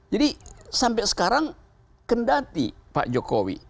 sampai sekarang kendati pak jokowi